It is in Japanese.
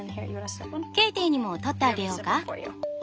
ケイティにも取ってあげようか？